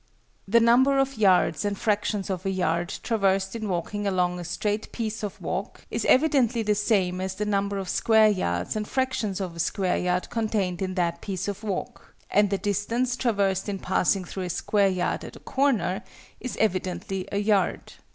_ The number of yards and fractions of a yard traversed in walking along a straight piece of walk, is evidently the same as the number of square yards and fractions of a square yard, contained in that piece of walk: and the distance, traversed in passing through a square yard at a corner, is evidently a yard.